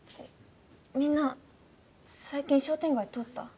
みんな最近商店街通った？